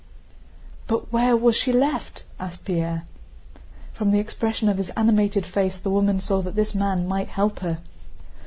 "But where was she left?" asked Pierre. From the expression of his animated face the woman saw that this man might help her.